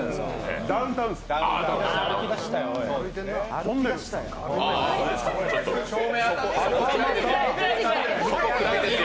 ダウンタウンさんです。